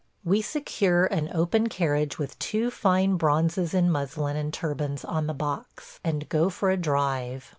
We secure an open carriage with two fine bronzes in muslin and turbans on the box, and go for a drive.